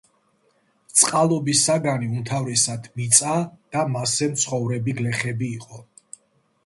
წყალობის საგანი უმთავრესად მიწა და მასზე მცხოვრები გლეხები იყო.